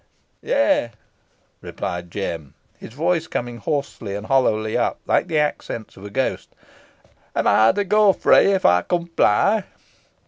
"Yeigh," replied Jem, his voice coming hoarsely and hollowly up like the accents of a ghost. "Am ey to go free if ey comply?"